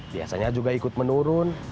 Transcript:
biasanya juga ikut menurun